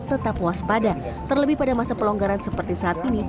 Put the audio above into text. tetap waspada terlebih pada masa pelonggaran seperti saat ini